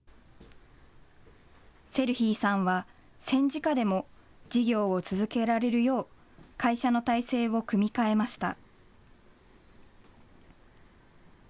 セルヒーさんは戦時下でも事業を続けられるよう会社の体制を組み替えました。